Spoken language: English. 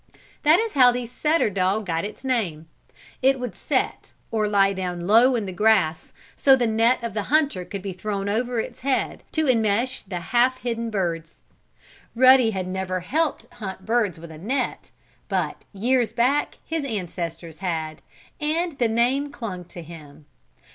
That is how the "setter" dog got its name. It would "set," or lie down low, in the grass, so the net of the hunter could be thrown over its head to enmesh the half hidden birds. Ruddy had never helped hunt birds with a net, but, years back, his ancestors had, and the name clung to him.